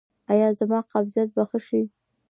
ایا زما قبضیت به ښه شي؟